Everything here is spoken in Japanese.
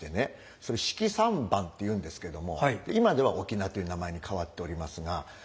それ「式三番」って言うんですけども今では「翁」という名前に変わっておりますが。